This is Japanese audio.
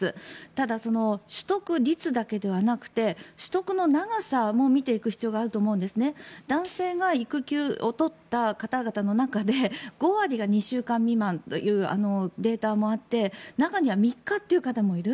ただ、取得率だけではなくて取得の長さも見ていく必要があると思うんです男性が育休を取った方々の中で５割が２週間未満というデータもあって中には３日という方もいる。